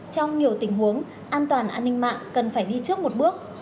trong nhiều tình huống an toàn an ninh mạng cần phải đi trước một bước